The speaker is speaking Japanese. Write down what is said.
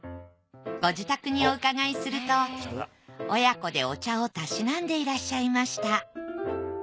ご自宅にお伺いすると親子でお茶をたしなんでいらっしゃいました。